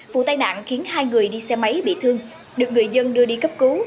vụ tai nạn khiến hai người đi xe máy bị thương được người dân đưa đi cấp cứu